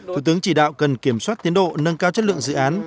thủ tướng chỉ đạo cần kiểm soát tiến độ nâng cao chất lượng dự án